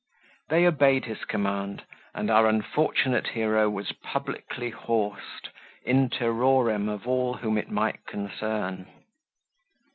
They obeyed his command, and our unfortunate hero was publicly horsed, in terrorem of all whom it might concern.